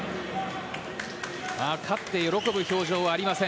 勝って喜ぶ表情はありません。